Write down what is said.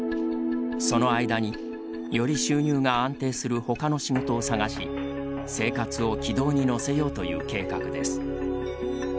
その間に、より収入が安定するほかの仕事を探し生活を軌道に乗せようという計画です。